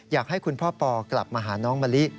อยากให้คุณพ่อปอกลับมาหาน้องมะลิ